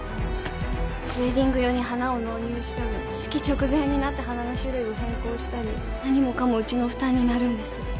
ウエディング用に花を納入しても式直前になって花の種類を変更したり何もかもうちの負担になるんです。